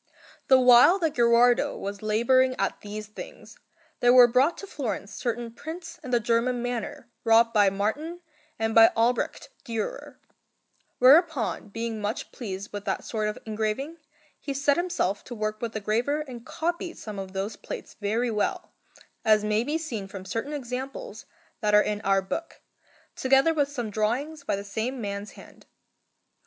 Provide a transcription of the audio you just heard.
The while that Gherardo was labouring at these things, there were brought to Florence certain prints in the German manner wrought by Martin and by Albrecht Dürer; whereupon, being much pleased with that sort of engraving, he set himself to work with the graver and copied some of those plates very well, as may be seen from certain examples that are in our book, together with some drawings by the same man's hand.